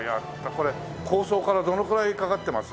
これ構想からどのくらいかかってます？